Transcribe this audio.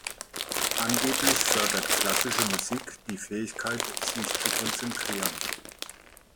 Angeblich fördert klassische Musik die Fähigkeit, sich zu konzentrieren.